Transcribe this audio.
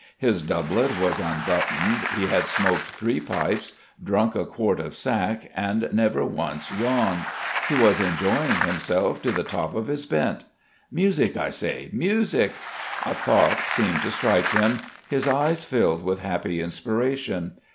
His doublet was unbuttoned; he had smoked three pipes, drunk a quart of sack, and never once yawned. He was enjoying himself to the top of his bent. "Music, I say! Music!" A thought seemed to strike him; his eyes filled with happy inspiration.